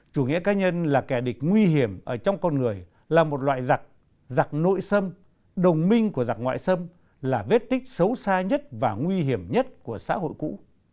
chủ nghĩa cá nhân là kẻ địch nguy hiểm ở trong con người là một loại giặc giặc nội sâm đồng minh của giặc ngoại xâm là vết tích xấu xa nhất và nguy hiểm nhất của xã hội cũ